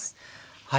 はい。